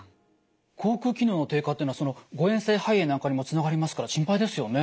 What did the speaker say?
口くう機能の低下っていうのは誤えん性肺炎なんかにもつながりますから心配ですよね。